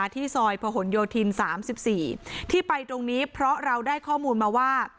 ที่ซอยพระห่วนโยธินสามสิบสี่ที่ไปตรงนี้เพราะเราได้ข้อมูลมาว่า